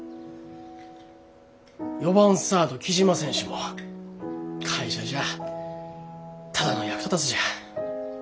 ４番サード雉真選手も会社じゃあただの役立たずじゃ。